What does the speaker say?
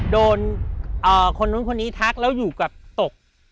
โดนคนนู้นคนนี้ทักแล้วอยู่กับตก